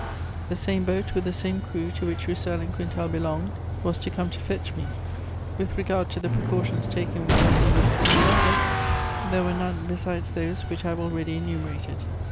The same boat, with the same crew, to which Roussel and Quintal belonged, was to come to fetch me. With regard to the precautions taken with Boisé Lucas the Elder, there were none besides those which I have already enumerated."